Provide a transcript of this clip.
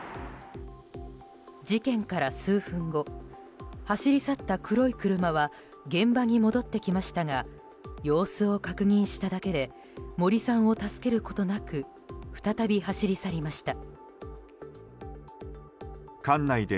事件から数分後走り去った黒い車は現場に戻ってきましたが様子を確認しただけで森さんを助けることなく再び走り去りました。